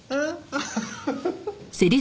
ハハハハ。